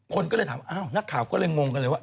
คนก็เลยถามอ้าวนักข่าวก็เลยงงกันเลยว่า